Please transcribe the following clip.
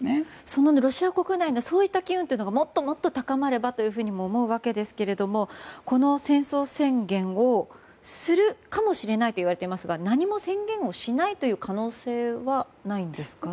そのロシア国内の機運がもっともっと高まればとも思うわけですがこの戦争宣言をするかもしれないといわれていますが何も宣言をしない可能性はないんですか？